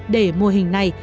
để mô hình này